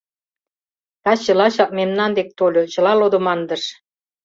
Таче лачак мемнан дек тольо, чыла лодымандыш.